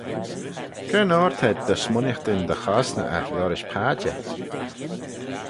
Cre'n oyr t'ayd dy smooinaghtyn dy chosney eh liorish padjer?